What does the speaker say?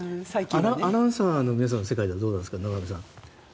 アナウンサーの世界ではどうですか、野上さん。